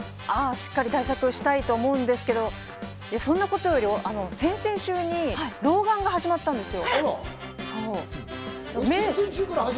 しっかり対策したいと思うんですけど、そんなことより、先々週に老眼が始まったんですよ。